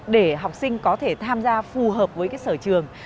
để học sinh có thể tham gia phù hợp với cái sở trường